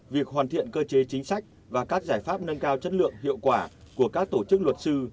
việc hoàn thiện cơ chế chính sách và các giải pháp nâng cao chất lượng hiệu quả của các tổ chức luật sư